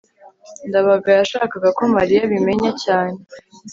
ndabaga yashakaga ko mariya abimenya cyane